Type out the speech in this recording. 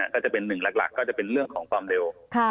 ก็จะเป็นหนึ่งหลักก็จะเป็นเรื่องของความเร็ว